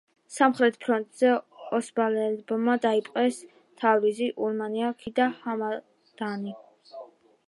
სამხრეთის ფრონტზე ოსმალებმა დაიპყრეს თავრიზი, ურმია, ქირმანშაჰი და ჰამადანი.